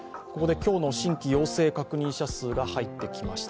今日の新規陽性確認者数が入ってきました。